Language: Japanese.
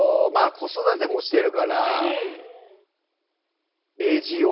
子育てもしてるからＡＧＯ？